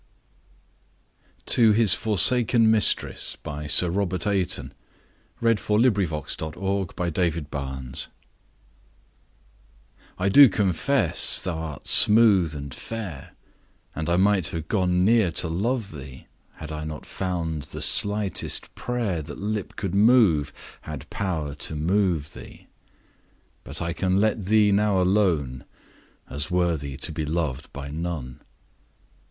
of English Verse: 1250ŌĆō1900. Sir Robert Ayton. 1570–1638 182. To His Forsaken Mistress I DO confess thou'rt smooth and fair, And I might have gone near to love thee, Had I not found the slightest prayer That lips could move, had power to move thee; But I can let thee now alone 5 As worthy to be loved by none.